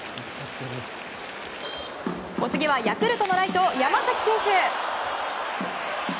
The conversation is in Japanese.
お次はヤクルトのライト山崎選手。